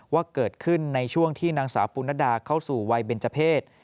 ว่าเกิดขึ้นในช่วงที่นางสาวปุณดาเข้าสู่วัยเบนเจอร์เพศ